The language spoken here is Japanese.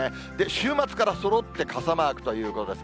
週末からそろって傘マークということです。